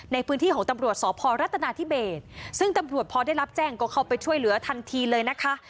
ในพื้นที่ของตำรวจสพรัฐนาธิเบสซึ่งตำรวจพอได้รับแจ้งก็เข้าไปช่วยเหลือทันทีเลยนะคะ